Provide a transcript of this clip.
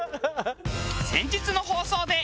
先日の放送で。